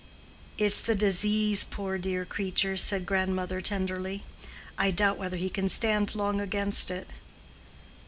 "It's the disease, poor dear creature," said the grandmother, tenderly. "I doubt whether he can stand long against it."